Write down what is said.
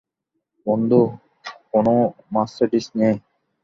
বন্ধু, কোনো মার্সিডিজ নেই।